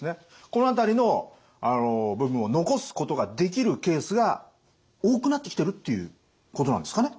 この辺りの部分を残すことができるケースが多くなってきてるっていうことなんですかね？